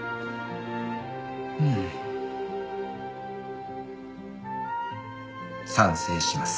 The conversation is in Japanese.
うん。賛成します。